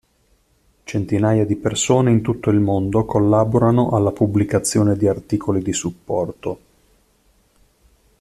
Centinaia di persone in tutto il mondo collaborano alla pubblicazione di articoli di supporto.